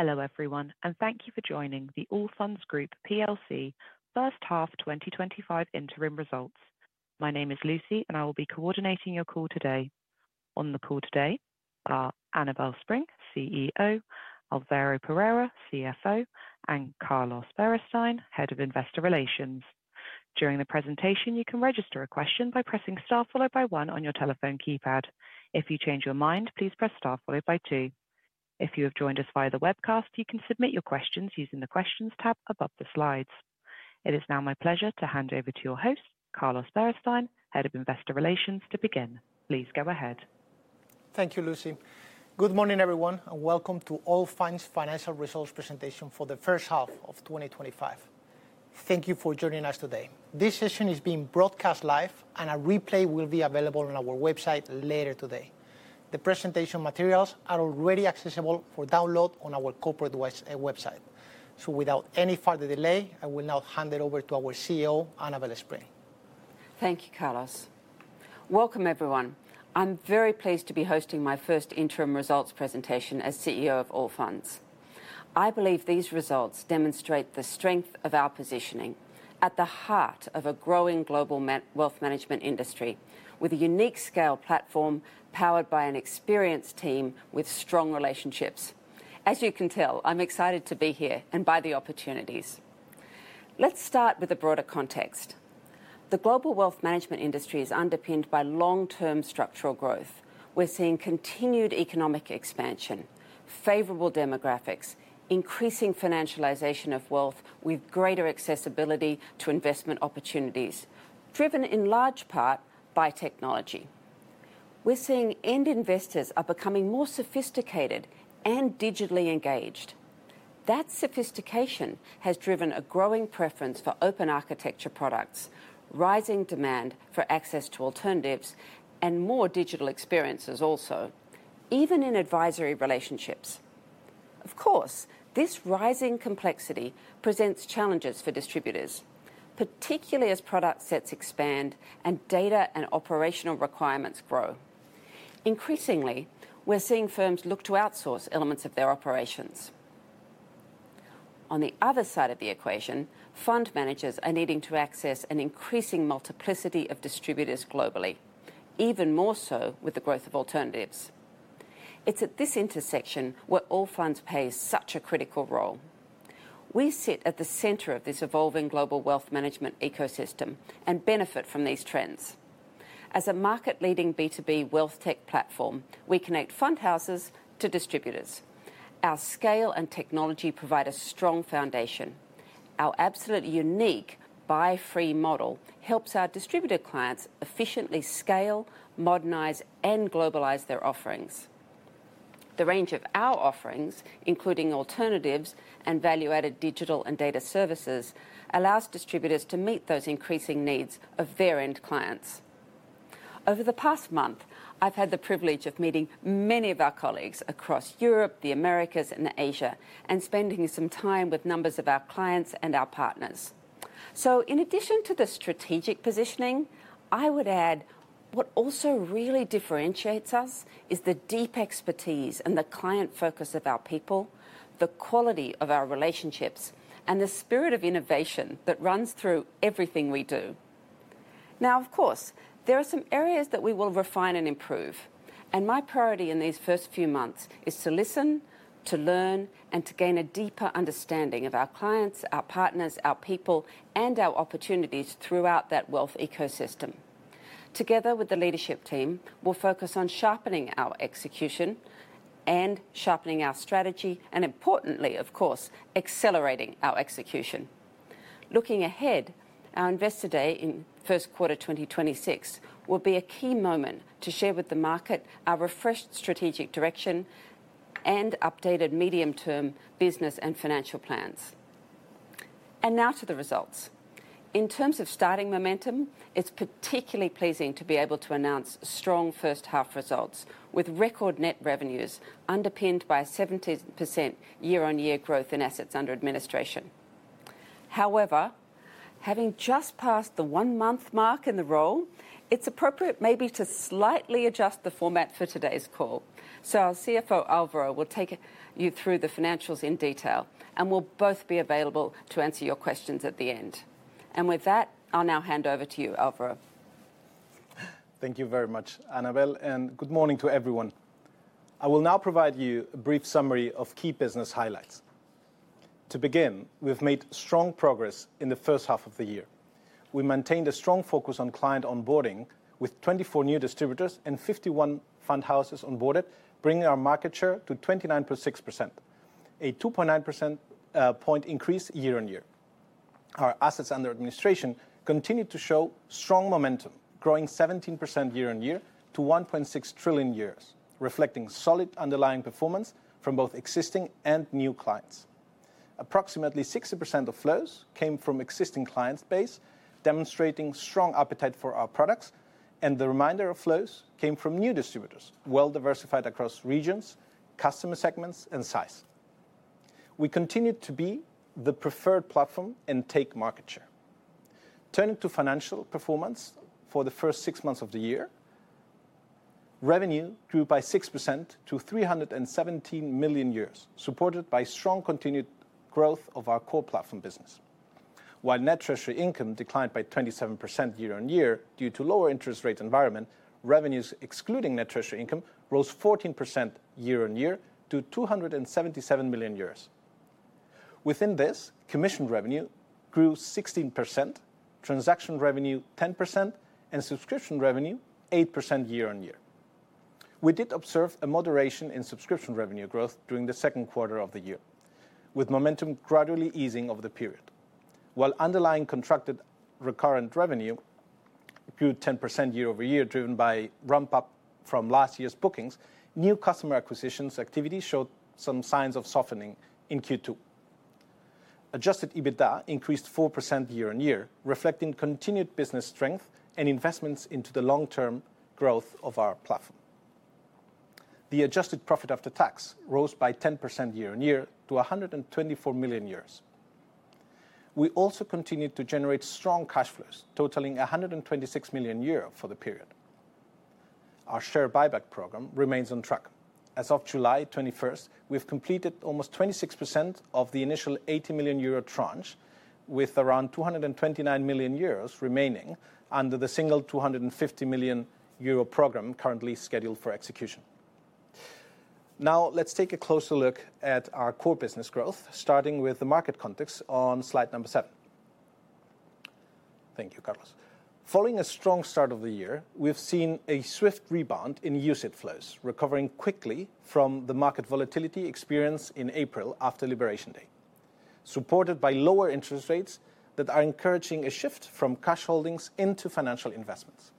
Hello everyone and thank you for joining the Allfunds Group Plc First Falf 2025 Interim Results. My name is Lucy and I will be coordinating your call today. On the call today are Annabel Spring, CEO, Álvaro Perera, CFO, and Carlos Berastain, Head of Investor Relations. During the presentation, you can register a question by pressing Star followed by one on your telephone keypad. If you change your mind, please press Star followed by two. If you have joined us via the webcast, you can submit your questions using the Questions tab above the slides. It is now my pleasure to hand over to your host, Carlos Berastain, Head of Investor Relations, to begin. Please go ahead. Thank you, Lucy. Good morning everyone and welcome to Allfunds financial results presentation for the first half of 2025. Thank you for joining us today. This session is being broadcast live, and a replay will be available on our website later today. The presentation materials are already accessible for download on our corporate website. Without any further delay, I will now hand it over to our CEO Annabel Spring. Thank you, Carlos. Welcome, everyone. I'm very pleased to be hosting my first interim results presentation as CEO of Allfunds. I believe these results demonstrate the strength of our positioning at the heart of a growing global wealth management industry with a unique scale platform powered by an experienced team with strong relationships. As you can tell, I'm excited to be here and by the opportunities. Let's start with a broader context. The global wealth management industry is underpinned by long-term structural growth. We're seeing continued economic expansion, favorable demographics, increasing financialization of wealth, with greater accessibility to investment opportunities, driven in large part by technology. We're seeing end investors are becoming more sophisticated and digitally engaged. That sophistication has driven a growing preference for open architecture products, rising demand for access to alternatives, and more digital experiences, also even in advisory relationships. Of course, this rising complexity presents challenges for distributors, particularly as product sets expand and data and operational requirements grow. Increasingly, we're seeing firms look to outsource elements of their operations. On the other side of the equation, fund managers are needing to access an increasing multiplicity of distributors globally, even more so with the growth of alternatives. It's at this intersection where Allfunds plays such a critical role. We sit at the center of this evolving global wealth management ecosystem and benefit from these trends. As a market-leading B2B wealthtech platform, we connect fund houses to distributors. Our scale and technology provide a strong foundation. Our absolutely unique buy free model helps our distributor clients efficiently scale, modernize, and globalize their offerings. The range of our offerings, including alternatives and value-added digital and data services, allows distributors to meet those increasing needs of their end clients. Over the past month, I've had the privilege of meeting many of our colleagues across Europe, the Americas, and Asia and spending some time with numbers of our clients and our partners. In addition to the strategic positioning, I would add what also really differentiates us is the deep expertise and the client focus of our people, the quality of our relationships, and the spirit of innovation that runs through everything we do now. Of course, there are some areas that we will refine and improve, and my priority in these first few months is to listen, to learn, and to gain a deeper understanding of our clients, our partners, our people, and our opportunities throughout that wealth ecosystem. Together with the leadership team, we'll focus on sharpening our execution and sharpening our strategy, and importantly, of course, accelerating our execution. Looking ahead, our Investor Day in first quarter 2026 will be a key moment to share with the market our refreshed strategic direction and updated medium term business and financial plans. Now to the results. In terms of starting momentum, it's particularly pleasing to be able to announce strong first half results with record net revenues underpinned by 17% year-on-year growth in assets under administration. However, having just passed the one month mark in the role, it's appropriate maybe to slightly adjust the format for today's call. Our CFO, Álvaro Perera, will take you through the financials in detail, and we'll both be available to answer your questions at the end. With that, I'll now hand over to you, Álvaro. Thank you very much Annabel and good morning to everyone. I will now provide you a brief summary of key business highlights. To begin, we have made strong progress in the first half of the year. We maintained a strong focus on client onboarding with 24 new distributors and 51 fund houses onboarded, bringing our market share to 29.6%, a 2.9% point increase. Year-on-year, our assets under administration continue to show strong momentum, growing 17% year-on-year to 1.6 trillion, reflecting solid underlying performance from both existing and new clients. Approximately 60% of flows came from existing client base, demonstrating strong appetite for our products and the remainder of flows came from new distributors, well diversified across regions, customer segments, and size. We continue to be the preferred platform and take market share. Turning to financial performance, for the first six months of the year, revenue grew by 6% to 317 million euros supported by strong continued growth of our core platform business. While net treasury income declined by 27% year-on-year due to lower interest rate environment. Revenues excluding net treasury income rose 14% year-on-year to 277 million euros. Within this, commission revenue grew 16%, transaction revenue 10%, and subscription revenue 8% year-on-year. We did observe a moderation in subscription revenue growth during the second quarter of the year, with momentum gradually easing over the period while underlying contracted recurrent revenue grew 10% year-over-year driven by ramp up from last year's bookings. New customer acquisitions activity showed some signs of softening. In Q2, adjusted EBITDA increased 4% year-on-year, reflecting continued business strength and investments into the long term growth of our platform. The adjusted profit after tax rose by 10% year-on-year to 124 million euros. We also continued to generate strong cash flows totaling 126 million euros for the period. Our share buyback program remains on track. As of July 21st, we have completed almost 26% of the initial 80 million euro tranche with around 229 million euros remaining under the single 250 million euro program currently scheduled for execution. Now let's take a closer look at our core business growth starting with the market context on slide number seven. Thank you Carlos. Following a strong start of the year, we've seen a swift rebound in UCIT flows recovering quickly from the market volatility experienced in April after Liberation Day, supported by lower interest rates that are encouraging a shift from cash holdings into financial investments.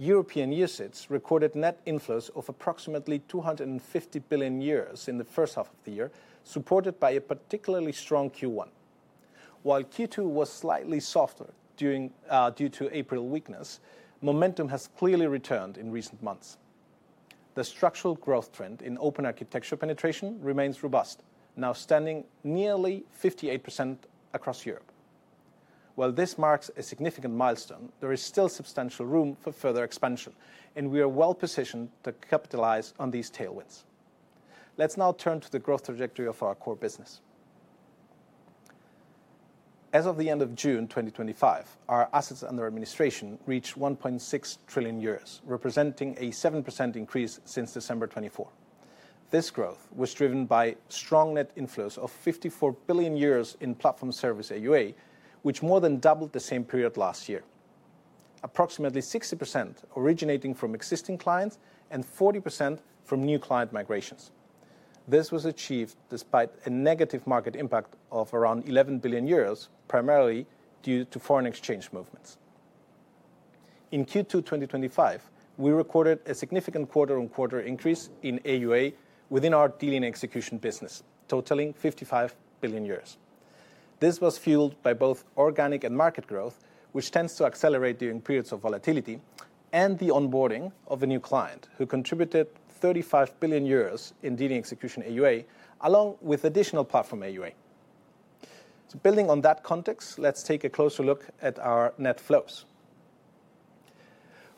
European UCITS recorded net inflows of approximately 250 billion euros in the first half of the year, supported by a particularly strong Q1, while Q2 was slightly softer due to April weakness. Momentum has clearly returned in recent months. The structural growth trend in open architecture penetration remains robust, now standing nearly 58% across Europe. While this marks a significant milestone, there is still substantial room for further expansion and we are well positioned to capitalize on these tailwinds. Let's now turn to the growth trajectory of our core business. As of the end of June 2025, our assets under administration reached 1.6 trillion euros, representing a 7% increase since December 2024. This growth was driven by strong net inflows of 54 billion euros in Platform Service AuA, which more than doubled the same period last year. Approximately 60% originating from existing clients and 40% from new client migrations. This was achieved despite a negative market impact of around 11 billion euros, primarily due to foreign exchange movements. In Q2 2025, we recorded a significant quarter on quarter increase in AuA within our dealing execution business, totaling 55 billion. This was fueled by both organic and market growth, which tends to accelerate during periods of volatility and the onboarding of a new client who contributed 35 billion euros in Dealing Execution AuA along with additional Platform AuA. Building on that context, let's take a closer look at our net flows.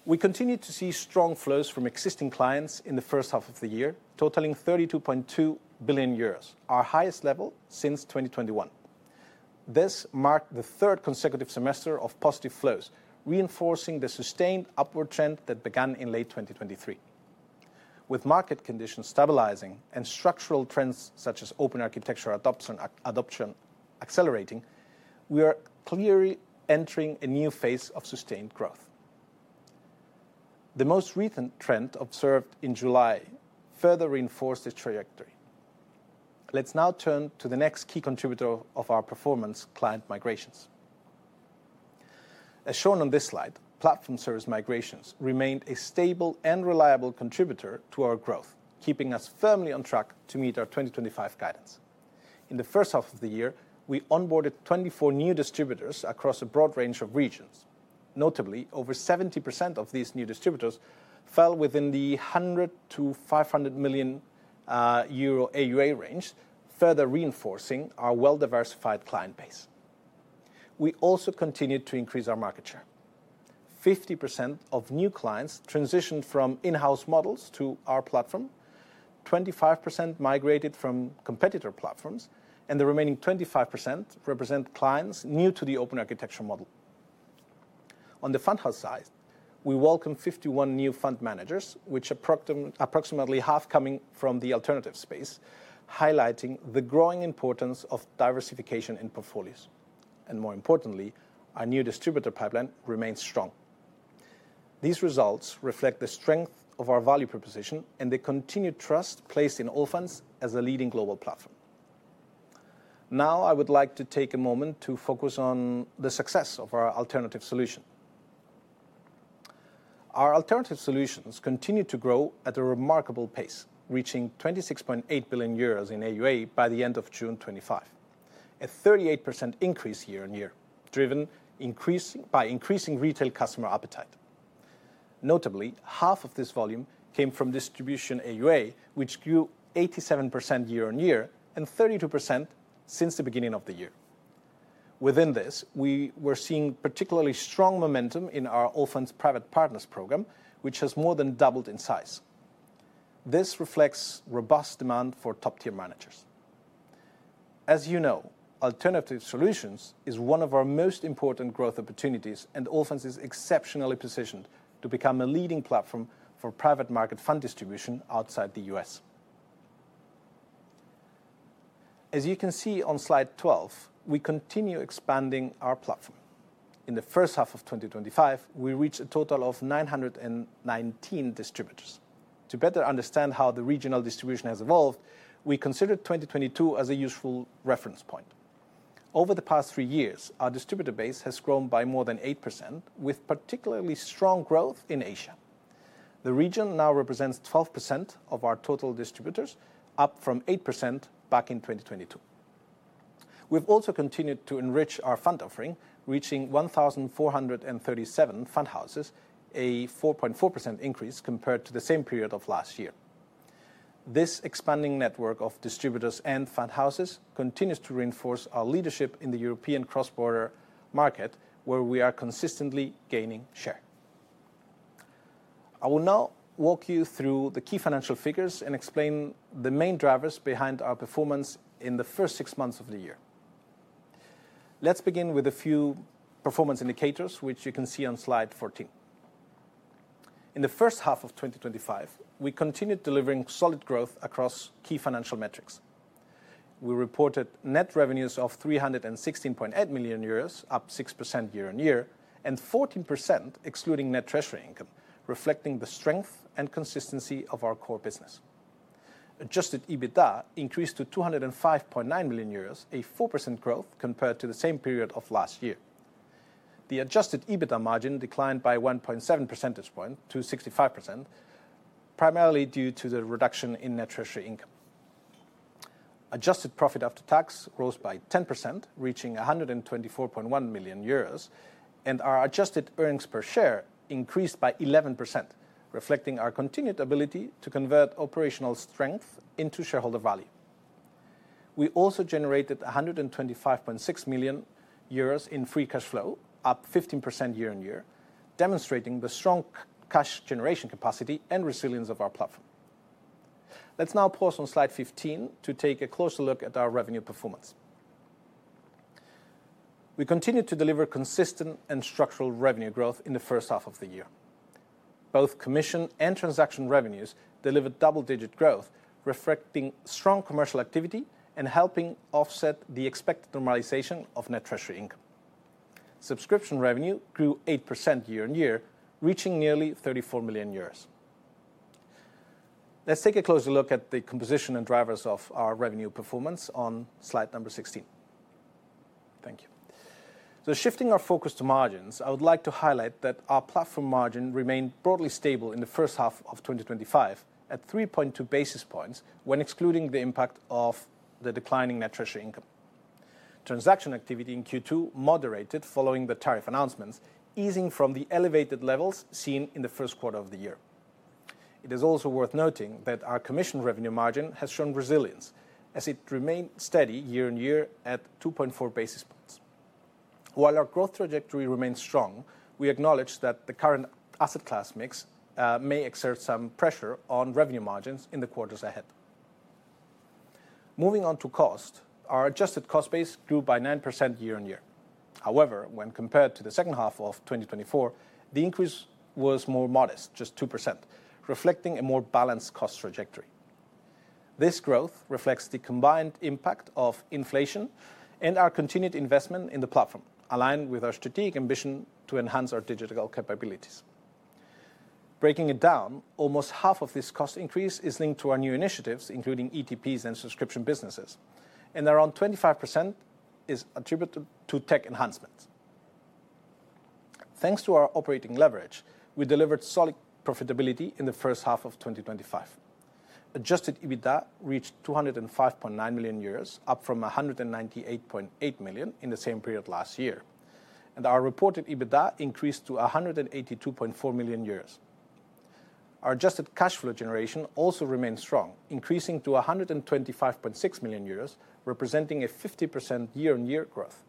We continue to see strong flows from existing clients in the first half of the year, totaling 32.2 billion euros, our highest level since 2021. This marked the third consecutive semester of positive flows, reinforcing the sustained upward trend that began in late 2023. With market conditions stabilizing and structural trends such as open architecture adoption accelerating, we are clearly entering a new phase of sustained growth. The most recent trend, observed in July, further reinforced this trajectory. Let's now turn to the next key contributor of our performance, client migrations. As shown on this slide, platform service migrations remained a stable and reliable contributor to our growth, keeping us firmly on track to meet our 2025 guidance. In the first half of the year, we onboarded 24 new distributors across a broad range of regions. Notably, over 70% of these new distributors fell within the 100 million to 500 million euro AuA range, further reinforcing our well-diversified client base. We also continued to increase our market share. 50% of new clients transitioned from in-house models to our platform, 25% migrated from competitor platforms, and the remaining 25% represent clients new to the open architecture model. On the fund house side, we welcomed 51 new fund managers, with approximately half coming from the alternative space, highlighting the growing importance of diversification in portfolios. More importantly, our new distributor pipeline remains strong. These results reflect the strength of our value proposition and the continued trust placed in Allfunds as a leading global platform. Now I would like to take a moment to focus on the success of our alternative solutions. Our alternative solutions continue to grow at a remarkable pace, reaching 26.8 billion euros in AuA by the end of June 2025, a 38% increase year-on-year driven by increasing retail customer appetite. Notably, half of this volume came from distribution AuA, which grew 87% year-on-year and 32% since the beginning of the year. Within this, we were seeing particularly strong momentum in our Allfunds Private Partners program, which has more than doubled in size. This reflects robust demand for top-tier managers. As you know, alternative solutions is one of our most important growth opportunities, and Allfunds is exceptionally positioned to become a leading platform for private market fund distribution outside the U.S. As you can see on Slide 12, we continue expanding our platform. In the first half of 2025, we reached a total of 919 distributors. To better understand how the regional distribution has evolved, we considered 2022 as a useful reference point. Over the past three years, our distributor base has grown by more than 8%, with particularly strong growth in Asia. The region now represents 12% of our total distributors, up from 8% back in 2022. We've also continued to enrich our fund offering, reaching 1,437 fund houses, a 4.4% increase compared to the same period of last year. This expanding network of distributors and fund houses continues to reinforce our leadership in the European cross-border market where we are consistently gaining share. I will now walk you through the key financial figures and explain the main drivers behind our performance in the first six months of the year. Let's begin with a few performance indicators which you can see on Slide 14. In the first half of 2025, we continued delivering solid growth across key financial metrics. We reported net revenues of 316.8 million euros, up 6% year-on-year and 14% excluding net treasury income. Reflecting the strength and consistency of our core business, adjusted EBITDA increased to 205.9 million euros, a 4% growth compared to the same period of last year. The adjusted EBITDA margin declined by 1.7 percentage points to 65%, primarily due to the reduction in net treasury income. Adjusted profit after tax rose by 10%, reaching 124.1 million euros, and our adjusted earnings per share increased by 11%, reflecting our continued ability to convert operational strength into shareholder value. We also generated 125.6 million euros in free cash flow, up 15% year-on-year, demonstrating the strong cash generation, capacity, and resilience of our platform. Let's now pause on Slide 15 to take a closer look at our revenue performance. We continued to deliver consistent and structural revenue growth in the first half of the year. Both commission and transaction revenues delivered double-digit growth, reflecting strong commercial activity and helping offset the expected normalization of net treasury income. Subscription revenue grew 8% year-on-year, reaching nearly 34 million euros. Let's take a closer look at the composition and drivers of our revenue performance on Slide 16. Thank you. Shifting our focus to margins, I would like to highlight that our platform margin remained broadly stable in the first half of 2025 at 3.2 basis points when excluding the impact of the declining net treasury income. Transaction activity in Q2 moderated following the tariff announcements, easing from the elevated levels seen in the first quarter of the year. It is also worth noting that our commission revenue margin has shown resilience as it remained steady year-on-year at 2.4 basis points. While our growth trajectory remains strong, we acknowledge that the current asset class mix may exert some pressure on revenue margins in the quarters ahead. Moving on to cost. Our adjusted cost base grew by 9% year-on-year. However, when compared to the second half of 2024, the increase was more modest, just 2%, reflecting a more balanced cost trajectory. This growth reflects the combined impact of inflation and our continued investment in the platform aligned with our strategic ambition to enhance our digital capabilities. Breaking it down, almost half of this cost increase is linked to our new initiatives including ETPs and subscription businesses, and around 25% is attributed to tech enhancements. Thanks to our operating leverage, we delivered solid profitability. In the first half of 2025, adjusted EBITDA reached 205.9 million euros, up from 198.8 million in the same period last year, and our reported EBITDA increased to 182.4 million euros. Our adjusted cash flow generation also remains strong, increasing to 125.6 million euros, representing a 50% year-on-year growth.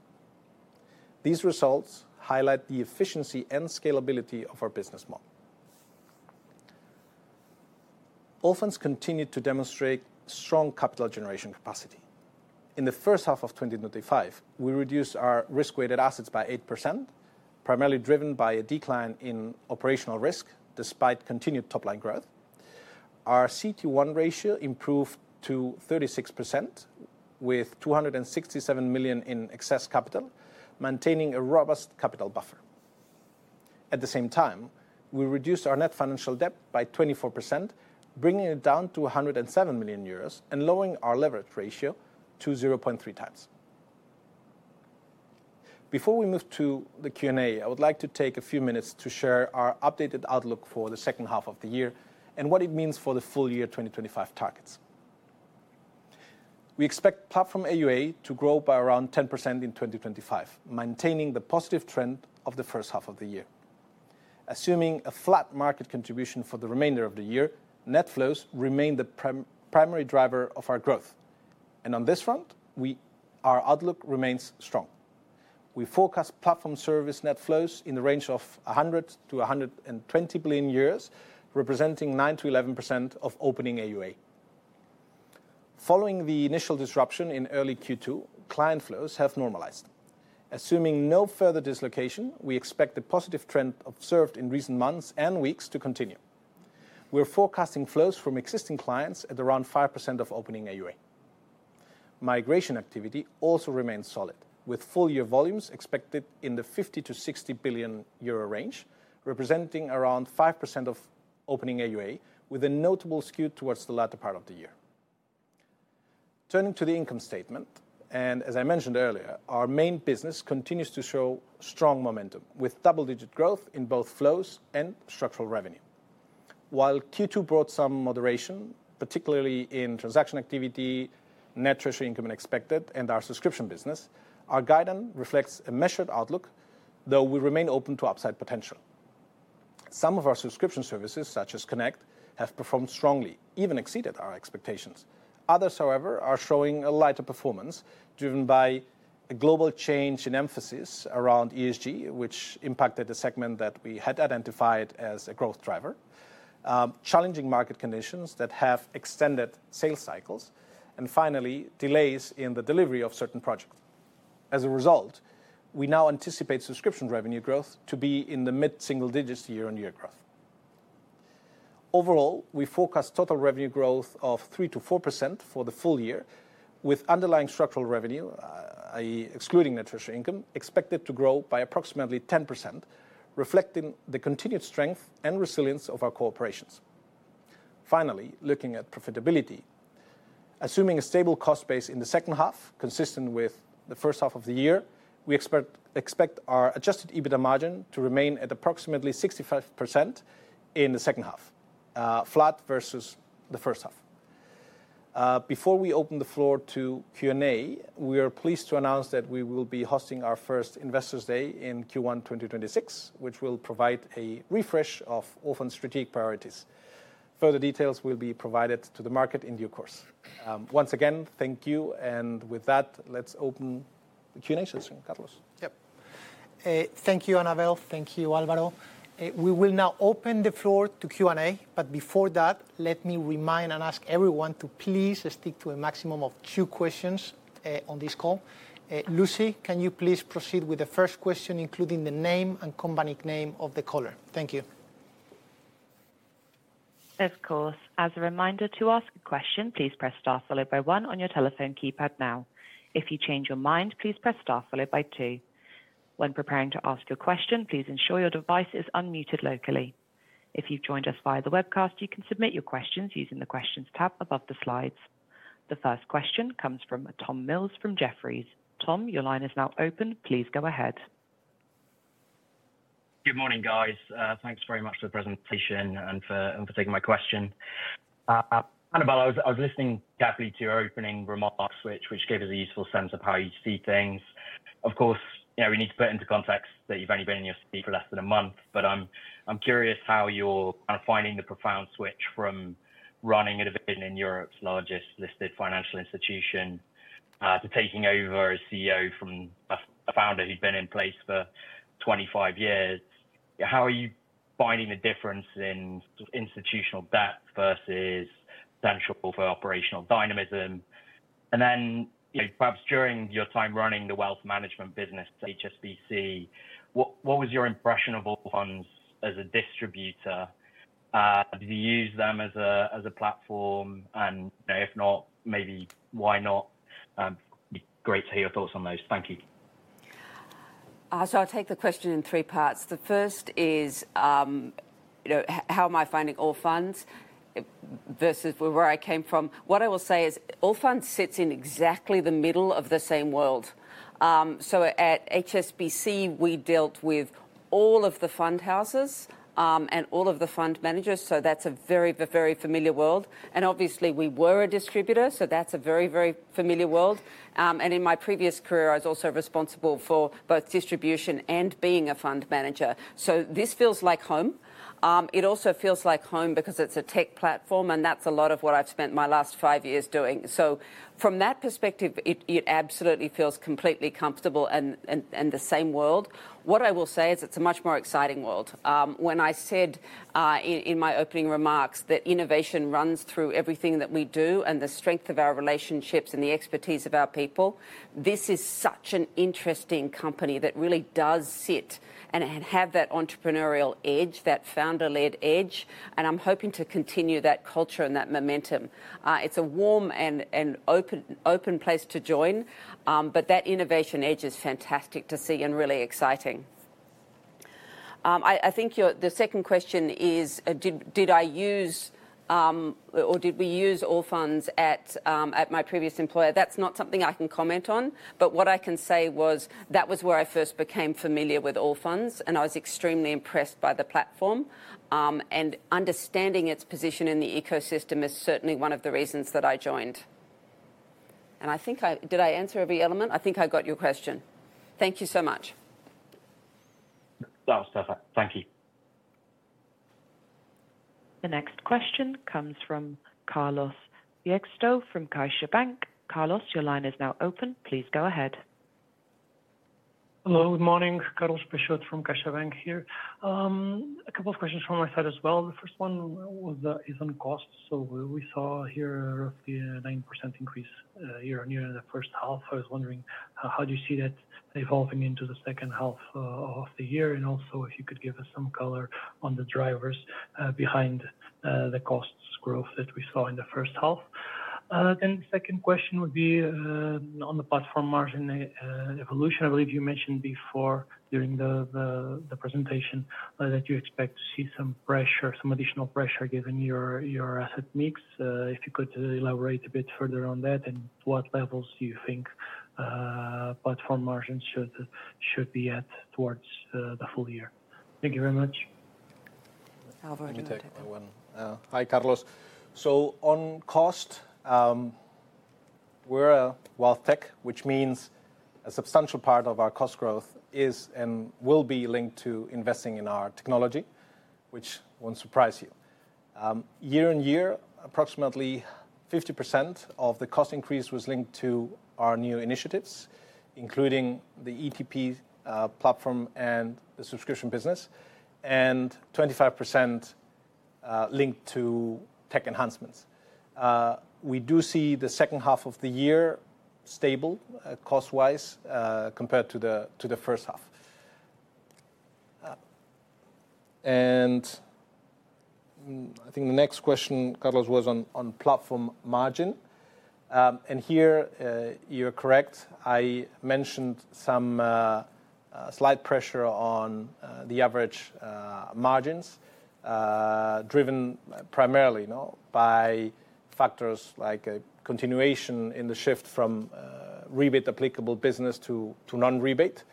These results highlight the efficiency and scalability of our business model. Allfunds continued to demonstrate strong capital generation capacity. In the first half of 2025, we reduced our risk weighted assets by 8%, primarily driven by a decline in operational risk. Despite continued top line growth, our CET1 ratio improved to 36% with 267 million in excess capital, maintaining a robust capital buffer. At the same time, we reduced our net financial debt by 24%, bringing it down to 107 million euros and lowering our leverage ratio to 0.3 times. Before we move to the Q&A, I would like to take a few minutes to share our updated outlook for the second half of the year and what it means for the full year 2025 targets. We expect platform AuA to grow by around 10% in 2025, maintaining the positive trend of the first half of the year, assuming a flat market contribution for the remainder of the year. Net flows remain the primary driver of our growth and on this front our outlook remains strong. We forecast platform service net flows in the range of 100 billion-120 billion euros, representing 9% to 11% of opening AuA. Following the initial disruption in early Q2, client flows have normalized. Assuming no further dislocation, we expect the positive trend observed in recent months and weeks to continue. We are forecasting flows from existing clients at around 5% of opening AuA. Migration activity also remains solid with full year volumes expected in the 50 billion-60 billion euro range, representing around 5% of opening AuA, with a notable skew towards the latter part of the year. Turning to the income statement and as I mentioned earlier, our main business continues to show strong momentum with double-digit growth in both flows and structural revenue. While Q2 brought some moderation, particularly in transaction activity, net treasury income expected and our subscription business, our guidance reflects a measured outlook, though we remain open to upside potential. Some of our subscription services, such as Connect, have performed strongly, even exceeded our expectations. Others, however, are showing a lighter performance driven by a global change in emphasis around ESG, which impacted the segment that we had identified as a growth driver, challenging market conditions that have extended sales cycles, and finally delays in the delivery of certain projects. As a result, we now anticipate subscription revenue growth to be in the mid-single digits year-on-year growth. Overall, we forecast total revenue growth of 3%-4% for the full year, with underlying structural revenue, that is excluding net treasury income, expected to grow by approximately 10%, reflecting the continued strength and resilience of our operations. Finally, looking at profitability, assuming a stable cost base in the second half, consistent with the first half of the year, we expect our adjusted EBITDA margin to remain at approximately 65% in the second half, flat versus the first half. Before we open the floor to Q&A, we are pleased to announce that we will be hosting our first Investors Day in Q1 2026, which will provide a refresh of our strategic priorities. Further details will be provided to the market in due course. Once again, thank you. With that, let's open the Q&A session. Carlos. Thank you, Annabel. Thank you, Álvaro. We will now open the floor to Q&A, but before that, let me remind and ask everyone to please stick to a maximum of two questions on this call. Lucy, can you please proceed with the first question, including the name and company name of the caller? Thank you. Of course. As a reminder to ask a question, please press star followed by one on your telephone keypad. If you change your mind, please press star followed by two. When preparing to ask your question, please ensure your device is unmuted locally. If you've joined us via the webcast, you can submit your questions using the Questions tab above the slides. The first question comes from Tom Mills from Jefferies. Tom, your line is now open. Please go ahead. Good morning, guys. Thanks very much for the presentation and for taking my question. Annabel, I was listening carefully to your opening remarks, which gave us a useful sense of how you see things. Of course, we need to put into context that you've only been in your seat for less than a month. I'm curious how you're finding the profound switch from running a division in Europe's largest listed financial institution to taking over as CEO from a founder who'd been in place for 25 years. How are you finding the difference in institutional depth versus potential for operational dynamism? Perhaps during your time running the wealth management business at HSBC, what was your impression of Allfunds as a distributor? Did you use them as a platform? If not, maybe why not? Great to hear your thoughts on those. Thank you. I'll take the question in three parts. The first is, how am I finding Allfunds versus where I came from? What I will say is Allfunds sits in exactly the middle of the same world. At HSBC, we dealt with all of the fund houses and all of the fund managers. That's a very, very familiar world. Obviously, we were a distributor, so that's a very, very familiar world. In my previous career, I was also responsible for both distribution and being a fund manager. This feels like home. It also feels like home because it's a tech platform, and that's a lot of what I've spent my last five years doing. From that perspective, it absolutely feels completely comfortable and the same world. What I will say is it's a much more exciting world. When I said in my opening remarks that innovation runs through everything that we do and the strength of our relationships and the expertise of our people, this is such an interesting company that really does sit and have that entrepreneurial edge, that founder-led edge. I'm hoping to continue that culture and that momentum. It's a warm and open place to join. That innovation edge is fantastic to see and really exciting. I think the second question is, did I use or did we use Allfunds at my previous employer? That's not something I can comment on, but what I can say was that was where I first became familiar with Allfunds, and I was extremely impressed by the platform. Understanding its position in the ecosystem is certainly one of the reasons that I joined, and I think I did. Did I answer every element? I think I got your question. Thank you so much. That was perfect. Thank you. The next question comes from Carlos Peixoto from CaixaBank. Carlos, your line is now open. Please go ahead. Hello, good morning. Carlos Peixoto from CaixaBank here. A couple of questions from my side as well. The first one is on cost. We saw here roughly a 9% increase year-on-year in the first half. I was wondering how do you see that evolving into the second half of the year? Also, if you could give us some color on the drivers behind the costs growth that we saw in the first half, the second question would be on the platform margin evolution. I believe you mentioned before during the presentation that you expect to see some. Pressure, some additional pressure given your asset mix. If you could elaborate a bit further on that. What levels do you think platform margins should be at towards the full year? Thank you very much. Let me take one. Hi Carlos. On cost, we're a wealthtech, which means a substantial part of our cost growth is and will be linked to investing in our technology, which won't surprise you. year-on-year, approximately 50% of the cost increase was linked to our new initiatives including the ETP platform and the subscription business, and 25% linked to tech enhancements. We do see the second half of the year stable cost wise compared to the first half. I think the next question, Carlos, was on platform margin and here you're correct. I mentioned some slight pressure on the average margins driven primarily by factors like a continuation in the shift from rebate applicable business to non-rebate,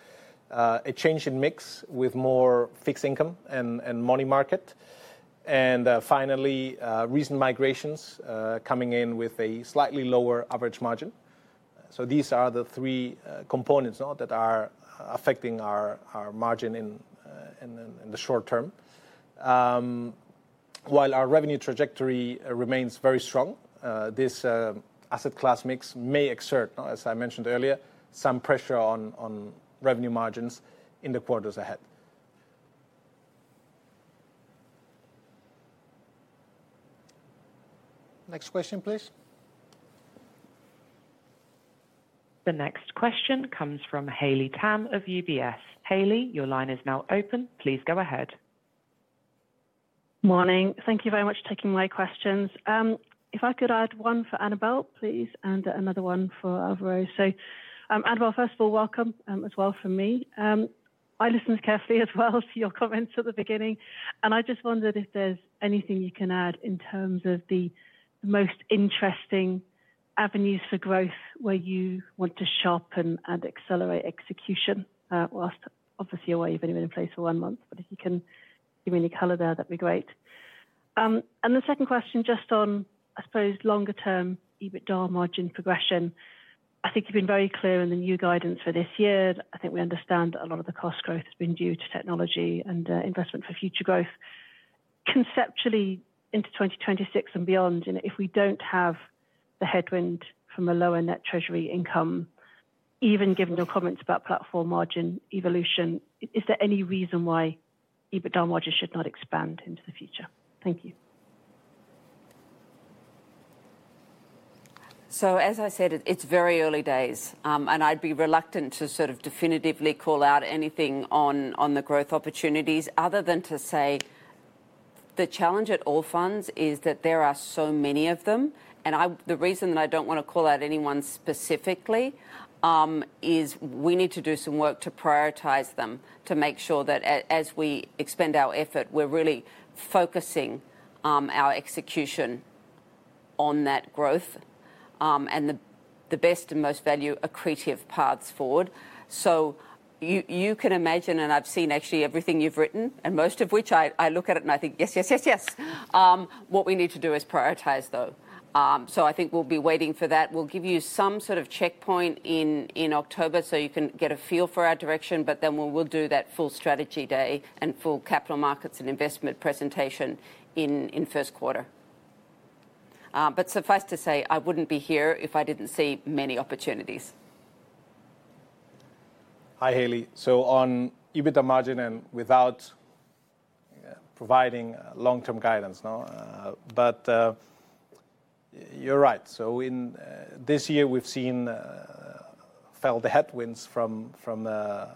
a change in mix with more fixed income and money market, and finally recent migrations coming in with a slightly lower average margin. These are the three components that are affecting our margin in the short term. While our revenue trajectory remains very strong, this asset class mix may exert, as I mentioned earlier, some pressure on revenue margins in the quarters ahead. Next question, please. The next question comes from Haley Tam of UBS. Haley, your line is now open. Please go ahead. Morning. Thank you very much for taking my questions. If I could add one for Annabel, please, and another one for Álvaro. First of all, welcome as well from me. I listened carefully as well to your comments at the beginning, and I just wondered if there's anything you can add in terms of the most interesting avenues for growth where you want to sharpen and accelerate execution. Obviously, you've only been in place for one month, but if you can give me any color there, that'd be great. The second question, just on, I suppose, longer term EBITDA margin progression. I think you've been very clear in the new guidance for this year. I think we understand a lot of the cost growth has been due to technology and investment for future growth. Conceptually, into 2026 and beyond, if we don't have the headwind from a lower net treasury income, even given your comments about platform margin evolution, is there any reason why EBITDA margin should not expand into the future? Thank you. As I said, it's very early days and I'd be reluctant to definitively call out anything on the growth opportunities other than to say the challenge at Allfunds is that there are so many of them. The reason that I don't want to call out anyone specifically is we need to do some work to prioritize them to make sure that as we expend our effort, we're really focusing our execution on that growth and the best and most value accretive paths forward. You can imagine, and I've seen actually everything you've written and most of which I look at it and I think yes, yes, yes, yes. What we need to do is prioritize though. I think we'll be waiting for that. We'll give you some sort of checkpoint in October so you can get a feel for our direction. We will do that full strategy day and full capital markets and investment presentation in first quarter. Suffice to say I wouldn't be here if I didn't see many opportunities. Hi Haley. On EBITDA margin, and without providing long-term guidance, you're right. In this year we've felt the headwinds from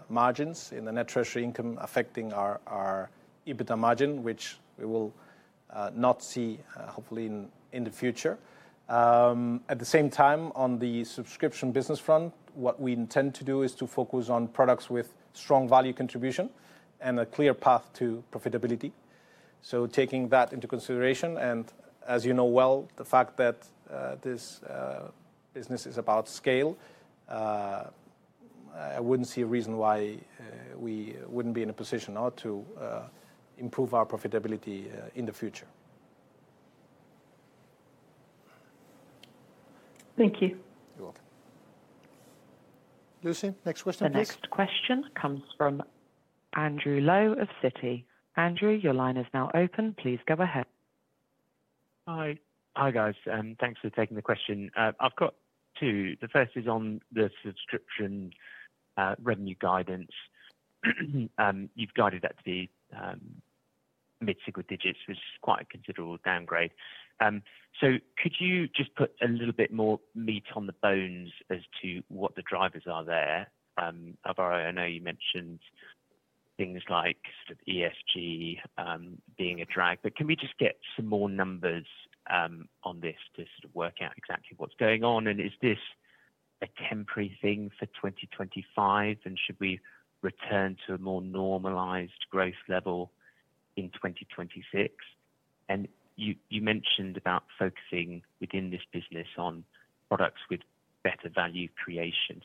margins in the net treasury income affecting our EBITDA margin, which we will not see hopefully in the future. At the same time, on the subscription business front, what we intend to do is to focus on products with strong value contribution and a clear path to profitability. Taking that into consideration, and as you know well, the fact that this business is about scale, I wouldn't see a reason why we wouldn't be in a position to improve our profitability in the future. Thank you. You're welcome. Lucy. Next question. The next question comes from Andrew Lowe of Citi. Andrew, your line is now open. Please go ahead. Hi. Thanks for taking the question. I've got two. The first is on the subscription revenue guidance. You've guided that to the mid-single digits, which was quite a considerable downgrade. Could you just put a little bit more meat on the bones as to what the drivers are there? Álvaro, I know you mentioned things like ESG being a drag, but can we just get some more numbers on this to work out exactly what's going on and is this a temporary thing for 2025, and should we return to a more normalized growth level in 2026? You mentioned about focusing within this business on products with better value creation.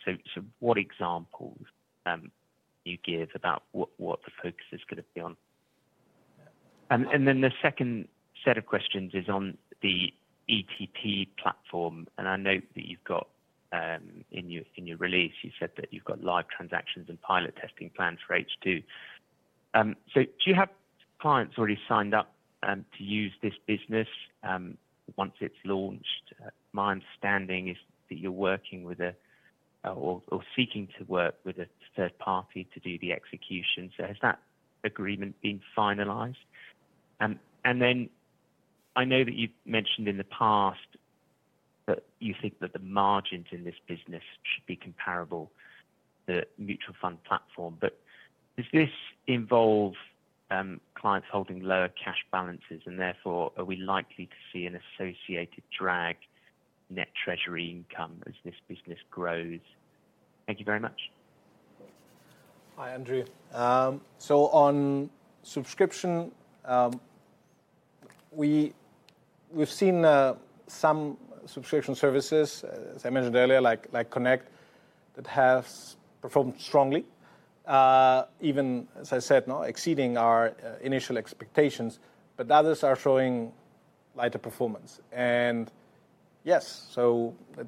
What examples can you give about what the focus is going to be on? The second set of questions is on the ETP platform. I note that in your release you said that you've got live transactions and pilot testing plans for H2. Do you have clients already signed up to use this business once it's launched? My understanding is that you're working with or seeking to work with a third party to do the execution. Has that agreement been finalized? I know that you mentioned in the past that you think that the margins in this business should be comparable to the mutual fund platform, but does this involve clients holding lower cash balances, and therefore are we likely to see an associated drag on net treasury income as this business grows? Thank you very much. Hi Andrew. On subscription, we've seen some subscription services, as I mentioned earlier, like Connect, that have performed strongly, even exceeding our initial expectations. Others are showing lighter performance, and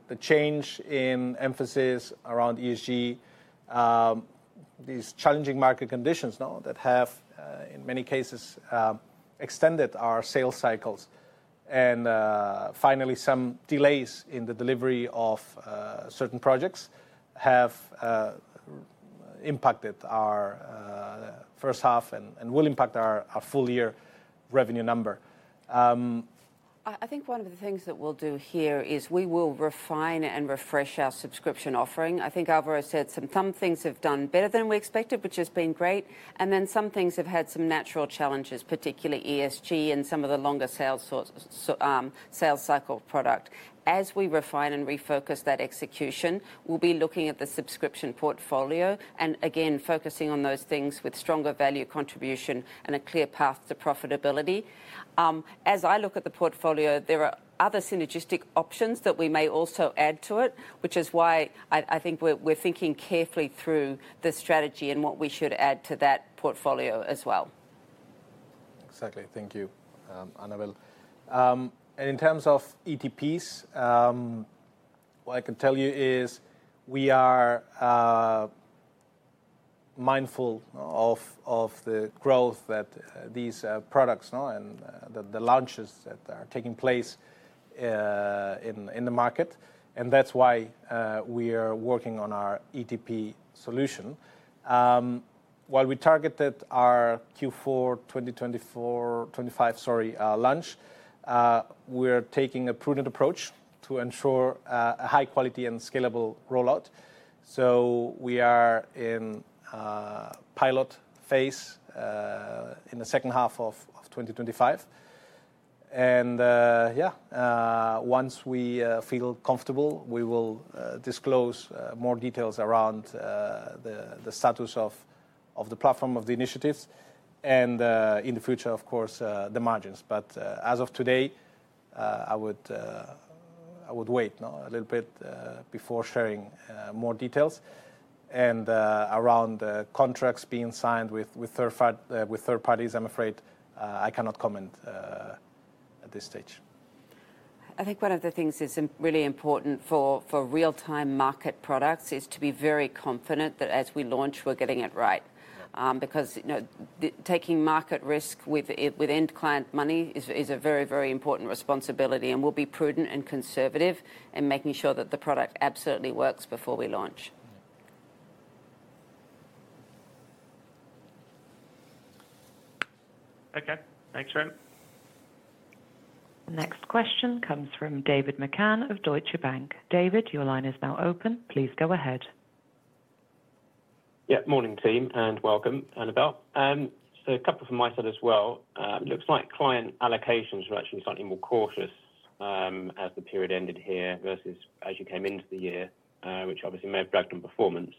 the change in emphasis around ESG, these challenging market conditions that have in many cases extended our sales cycles, and finally some delays in the delivery of certain projects have impacted our first half and will impact our full year revenue number. I think one of the things that we'll do here is we will refine and refresh our subscription offering. I think Álvaro said some things have done better than we expected, which has been great. Some things have had some natural challenges, particularly ESG and some of the longer sales cycle product. As we refine and refocus that execution, we'll be looking at the subscription portfolio and again focusing on those things with stronger value contribution and a clear path to profitability. As I look at the portfolio, there are other synergistic options that we may also add to it, which is why I think we're thinking carefully through the strategy and what we should add to that portfolio as well. Exactly. Thank you, Annabel. In terms of ETPs, what I can tell you is we are mindful of the growth that these products and the launches that are taking place in the market. That's why we are working on our ETP platform. While we targeted our Q4 2025 launch, we're taking a prudent approach to ensure a high-quality and scalable rollout. We are in pilot phase in the second half of 2025. Once we feel comfortable, we will disclose more details around the status of the platform, the initiatives, and in the future, of course, the margins. As of today, I would wait a little bit before sharing more details around contracts being signed with third parties. I'm afraid I cannot comment at this stage. I think one of the things that is really important for real time market products is to be very confident that as we launch we're getting it right, because taking market risk with end client money is a very, very important responsibility, and we'll be prudent and conservative in making sure that the product absolutely works before we launch. Okay, thanks Ren. Next question comes from David McCann of Deutsche Bank. David, your line is now open. Please go ahead. Yeah, morning team and welcome Annabel. A couple from my side as well. Looks like client allocations are actually slightly more cautious as the period ended here versus as you came into the year, which obviously may have dragged on performance.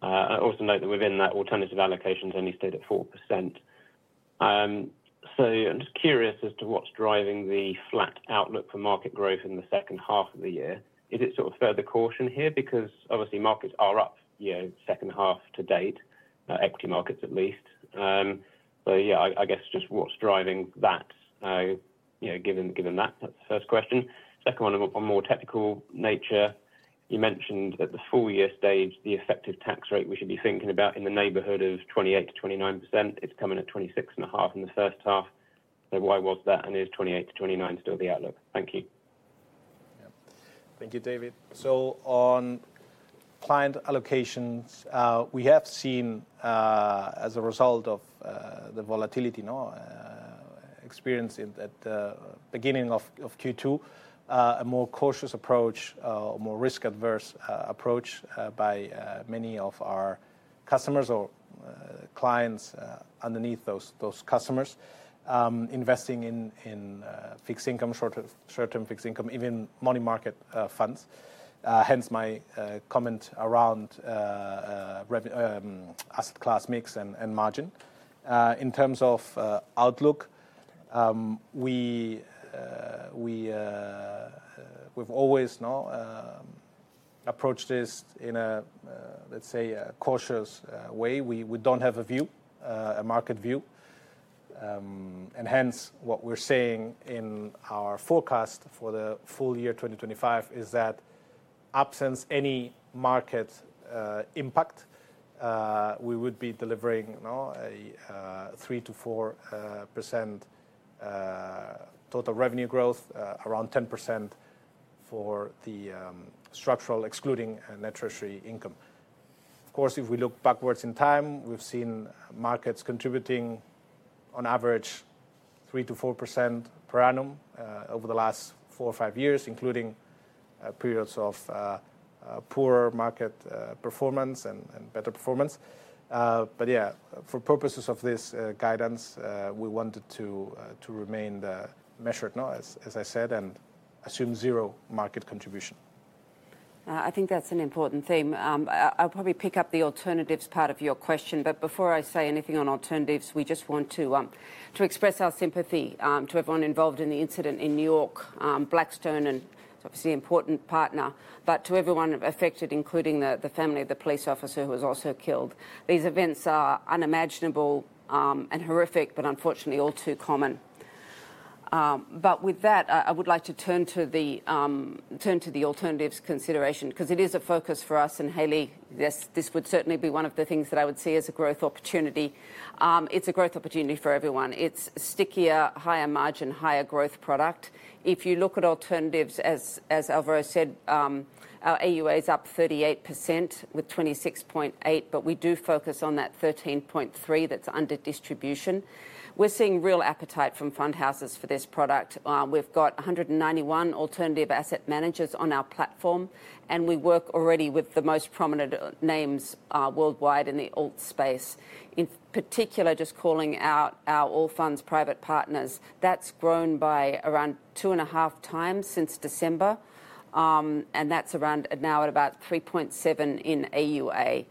Also note that within that, alternative allocations only stayed at 4%. I'm just curious as to what's driving the flat outlook for market growth in the second half of the year. Is it sort of further caution here? Obviously, markets are up, you know, second half to date, equity markets at least. I guess just what's driving that given that. That's the first question. Second one, on a more technical nature, you mentioned that at the full year stage, the effective tax rate we should be thinking about is in the neighborhood of 28% to 29%. It's coming at 26.5% in the first half. Why was that and is 28% to 29% still the outlook? Thank you. Yeah, thank you, David. On client allocations, we have seen as a result of the volatility experienced at the beginning of Q2, a more cautious approach, more risk-averse approach by many of our customers or clients. Underneath those customers investing in fixed income, short-term fixed income, even money market funds. Hence my comment around asset class mix and margin. In terms of outlook, we've always approached this in a, let's say, cautious way. We don't have a view, a market view, and hence what we're seeing in our forecast for the full year 2025 is that absent any market impact, we would be delivering a 3%-4% total revenue growth, around 10% for the structural, excluding net treasury income. Of course, if we look backwards in time, we've seen markets contributing on average 3%-4% per annum over the last four or five years, including periods of poor market performance and better performance. For purposes of this guidance, we wanted to remain the measured noise, as I said, and assume zero market contribution. I think that's an important theme. I'll probably pick up the alternatives part of your question. Before I say anything on alternatives, we just want to express our sympathy to everyone involved in the incident in New York, Blackstone, an obviously important partner, but to everyone affected, including the family of the police officer who was also killed. These events are unimaginable and horrific, but unfortunately all too common. With that, I would like to turn to the alternatives consideration because it is a focus for us, and Haley, this would certainly be one of the things that I would see as a growth opportunity. It's a growth opportunity for everyone. It's stickier, higher margin, higher growth product if you look at alternatives. As Álvaro said, our AuA is up 38% with 26.8. We do focus on that 13.3 that's under distribution. We're seeing real appetite from fund houses for this product. We've got 191 alternative asset managers on our platform, and we work already with the most prominent names worldwide in the alternatives space, in particular just calling out our Allfunds Private Partners. That's grown by around 2.5 times since December, and that's now at about 3.37 in AuA.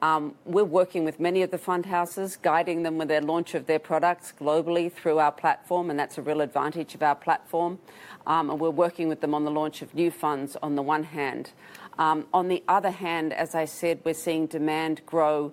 We're working with many of the fund houses, guiding them with their launch of their products globally through our platform, and that's a real advantage of our platform. We're working with them on the launch of new funds on the one hand. On the other hand, as I said, we're seeing demand grow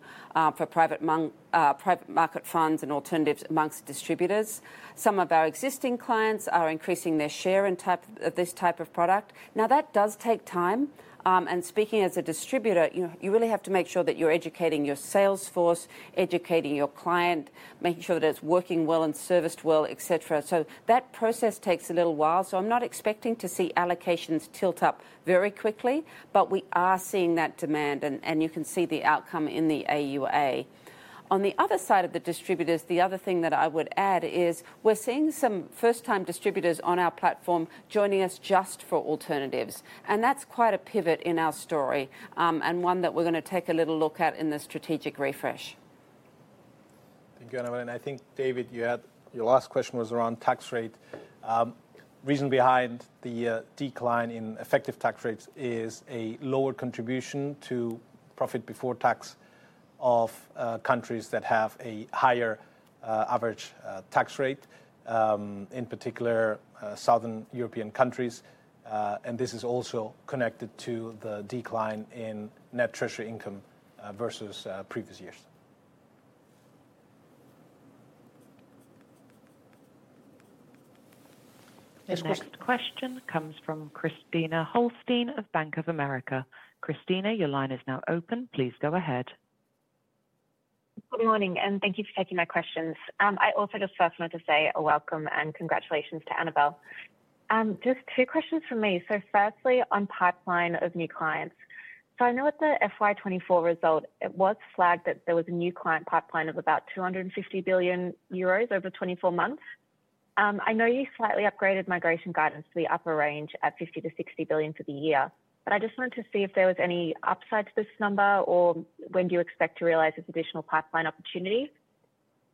for private market funds and alternatives amongst distributors. Some of our existing clients are increasing their share in terms of this type of product. That does take time, and speaking as a distributor, you really have to make sure that you're educating your sales force, educating your client, making sure that it's working well and serviced well, etc. That process takes a little while. I'm not expecting to see allocations tilt up very quickly, but we are seeing that demand, and you can see the outcome on the other side of the distributors. The other thing that I would add is we're seeing some first-time distributors on our platform joining us just for alternatives, and that's quite a pivot in our story and one that we're going to take a little look at in the strategic refreshment, and I think. David, your last question was around tax rate. The reason behind the decline in effective tax rates is a lower contribution to profit before tax of countries that have a higher average tax rate, in particular Southern European countries. This is also connected to the decline in net treasury income versus previous years. Next question comes from Christina Holstein of Bank of America. Christina, your line is now open. Please go ahead. Good morning and thank you for taking my questions. I also just first want to say a welcome and congratulations to Annabel. Just two questions for me. Firstly, on pipeline of new clients. I know at the FY 2024 result it was flagged that there was a new client pipeline of about 250 billion euros over 24 months. I know you slightly upgraded migration guidance to the upper range at 50 billion-60 billion for the year, but I just wanted to see if there was any upside to this number or when do you expect to realize this additional pipeline opportunity?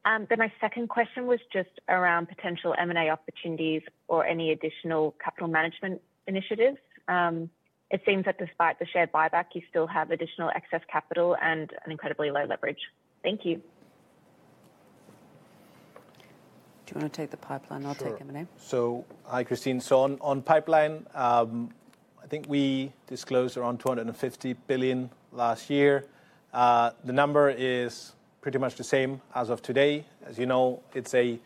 My second question was just around potential M&A opportunities or any additional capital management initiatives. It seems that despite the share buyback, you still have additional excess capital and an incredibly low leverage. Thank you. Do you want to take the pipeline? I'll take M&A. Hi Christine. On pipeline, I think we disclosed around $250 billion last year. The number is pretty much the same as of today. As you know, it's a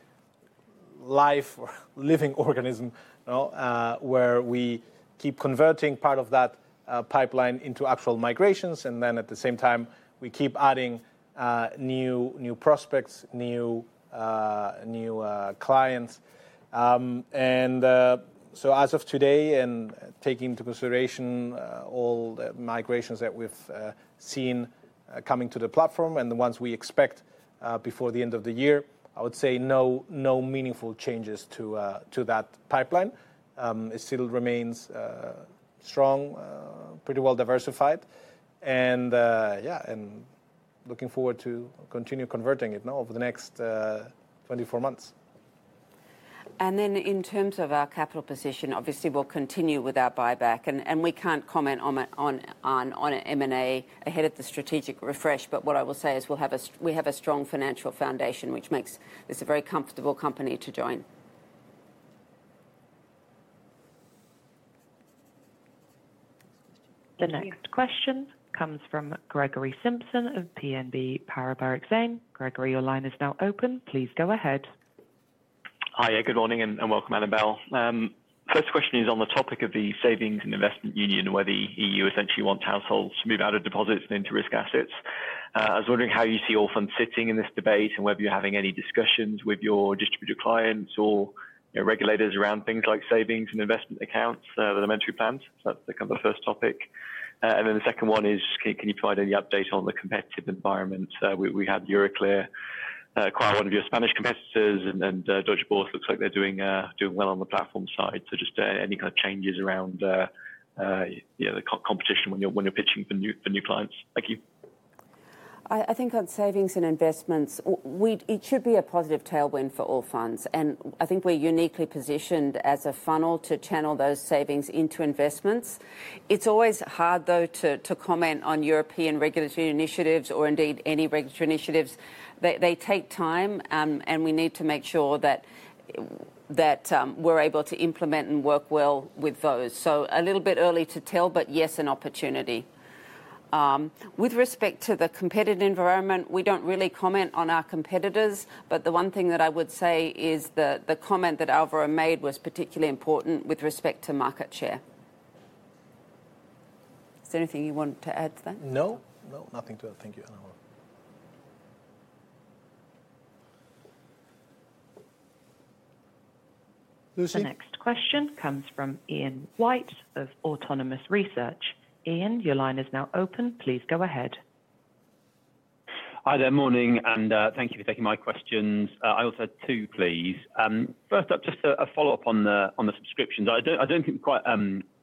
living organism where we keep converting part of that pipeline into actual migrations, and at the same time we keep adding new prospects, new clients. As of today, and taking into consideration all migrations that we've seen coming to the platform and the ones we expect before the end of the year, I would say no meaningful changes to that pipeline. It still remains strong, pretty well diversified, and looking forward to continue converting it over the next 24 months. In terms of our capital position, obviously we'll continue with our buyback. We can't comment on M&A ahead of the strategic refresh. What I will say is we have a strong financial foundation, which makes this a very comfortable company to join. The next question comes from Gregory Simpson of BNP Paribas Exane. Gregory, your line is now open. Please go ahead. Hi, good morning and welcome. Annabel, first question is on the topic of the Savings and Investment Union where the EU essentially wants households to move out of deposits and into risk assets. I was wondering how you see Allfunds sitting in this debate and whether you're having any discussions with your distributor clients or regulators around things like savings and investment accounts, elementary plans that become the first topic. The second one is can you provide any update on the competitive environment? We had Euroclear, one of your Spanish competitors, and Deutsche Börse looks like they're doing well on the platform side. Just any kind of changes around the competition when you're pitching for new clients. Thank you. I think on savings and investments, it should be a positive tailwind for Allfunds and I think we're uniquely positioned as a funnel to channel those savings into investments. It's always hard to comment on European regulatory initiatives or indeed any regulatory initiatives. They take time and we need to make sure that we're able to implement and work well with those. A little bit early to tell, but yes, an opportunity with respect to the competitive environment. We don't really comment on our competitors. The one thing that I would say is that the comment that Álvaro made was particularly important with respect to market share. Is there anything you want to add? No, nothing to add. Thank you. The next question comes from Ian White of Autonomous Research. Ian, your line is now open. Please go ahead. Hi there. Morning and thank you for taking my questions. I also had two, please. First up, just a follow up on the subscriptions. I don't think we quite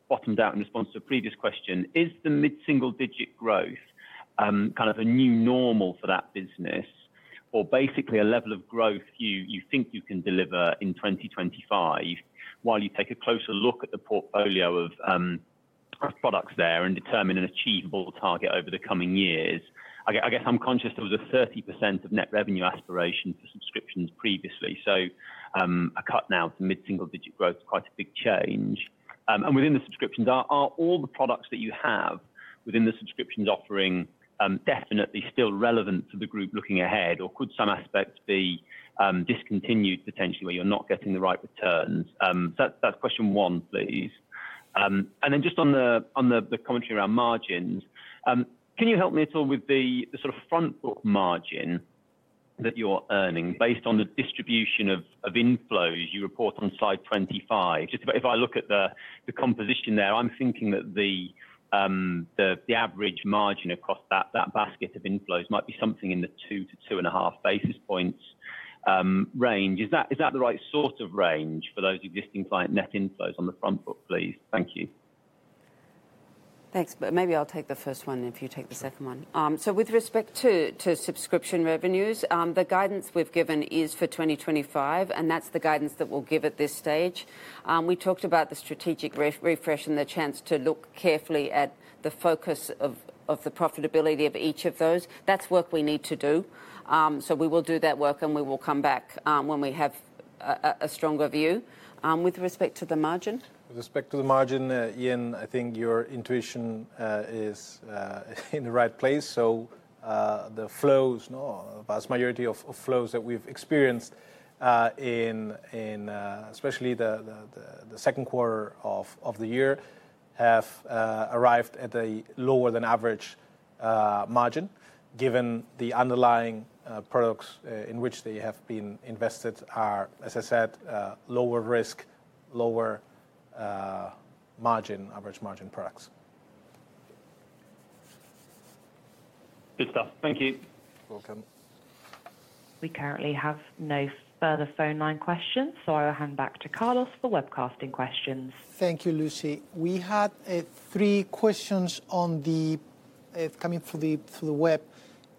bottomed out in response to a previous question. Is the mid-single digit growth kind of a new normal for that business or basically a level of growth you think you can deliver in 2025 while you take a closer look at the portfolio of products there and determine an achievable target over the coming years? I'm conscious there was a 30% of net revenue aspiration for subscriptions previously. A cut now to mid single digit growth is quite a big change. Within the subscriptions, are all the products that you have within the subscriptions offering definitely still relevant to the group looking ahead, or could some aspects be discontinued potentially where you're not getting the right returns? That's question one, please. Just on the commentary around margin, can you help me at all with the sort of front book margin that you're earning based on the distribution of inflows you report on slide 25? If I look at the composition there, I'm thinking that the average margin across that basket of inflows might be something in the two to two and a half basis points range. Is that the right sort of range for those existing client net inflows on the front book, please. Thank you. Thanks. Maybe I'll take the first one if you take the second one. With respect to subscription revenues, the guidance we've given is for 2025 and that's the guidance that we'll give at this stage. We talked about the strategic refresh and the chance to look carefully at the focus of the profitability of each of those. That's work we need to do. We will do that work and we will come back when we have a stronger view. With respect to the margin. With respect to the margin, Ian, I think your intuition is in the right place. The vast majority of flows that we've experienced, especially in the second quarter of the year, have arrived at a lower than average margin. The underlying products in which they have been invested are, as I said, lower risk, lower margin, average margin products. Good stuff. Thank you. Welcome. We currently have no further phone line questions, so I will hand back to Carlos for webcasting questions. Thank you, Lucy. We had three questions coming through the web.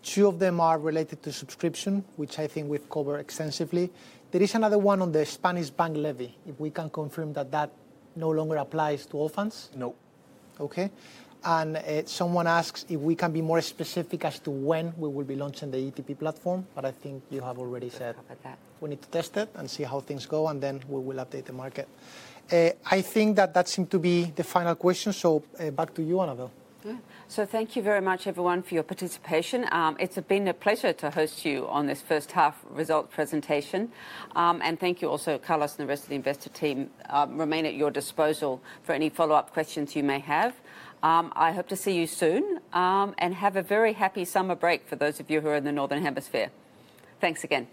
Two of them are related to subscription, which I think we've covered extensively. There is another one on the Spanish bank levy. If we can confirm that that no longer applies to Allfunds? No. Okay. Someone asks if we can be more specific as to when we will be launching the ETP platform. I think you have already said that we need to test it and see how things go, and then we will update the market. I think that seemed to be the final question. Back to you, Annabel. Thank you very much everyone for your participation. It's been a pleasure to host you on this first half result presentation, and thank you also. Carlos and the rest of the investor team remain at your disposal for any follow up questions you may have. I hope to see you soon and have a very happy summer break. For those of you who are in the Northern Hemisphere, thanks again.